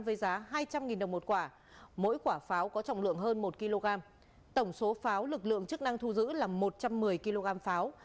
với giá hai trăm linh đồng một quả mỗi quả pháo có trọng lượng hơn một kg tổng số pháo lực lượng chức năng thu giữ là một trăm một mươi kg pháo